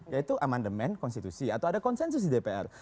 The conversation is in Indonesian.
yaitu amandemen konstitusi atau ada konsensus di dpr